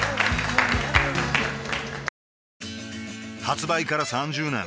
発売から３０年